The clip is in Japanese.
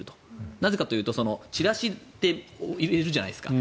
なぜかというとチラシって入れるじゃないですか。